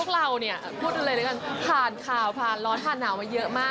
พวกเราพูดเลยนะครับผ่านข่าวผ่านร้อนผ่านหนาวมาเยอะมาก